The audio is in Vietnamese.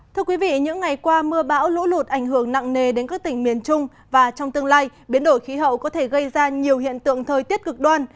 thưa quý vị những ngày qua mưa bão lũ lụt ảnh hưởng nặng nề đến các tỉnh miền trung và trong tương lai biến đổi khí hậu có thể gây ra nhiều hiện tượng thời tiết cực đoan